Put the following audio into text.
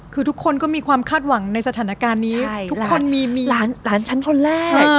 คือทุกคนก็มีความคาดหวังในสถานการณ์นี้ทุกคนมีหลานฉันคนแรก